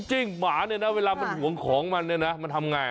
จริงหมาเวลามันห่วงของมันมันทำยังไง